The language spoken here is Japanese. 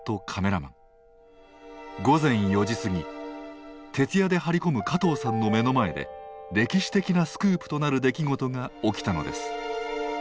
午前４時過ぎ徹夜で張り込む加藤さんの目の前で歴史的なスクープとなる出来事が起きたのです。